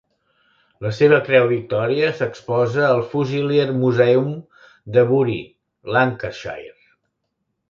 La seva Creu Victòria s'exposa al Fusilier Museum de Bury, Lancashire.